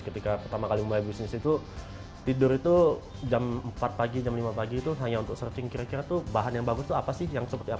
ketika pertama kali memulai bisnis itu tidur itu jam empat pagi jam lima pagi itu hanya untuk searching kira kira tuh bahan yang bagus itu apa sih yang seperti apa